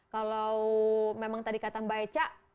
kalau memang tadi kata mbak eca